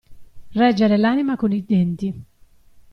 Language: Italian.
Reggere l'anima con i denti.